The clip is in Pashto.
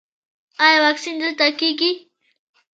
ایا واکسین دلته کیږي؟